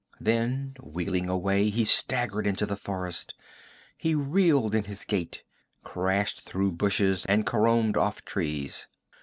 Then wheeling away he staggered into the forest; he reeled in his gait, crashed through bushes and caromed off trees.